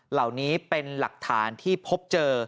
เหล่านี้เป็นหลักฐานที่พบเจอ